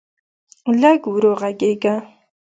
لږ ورو غږېږه.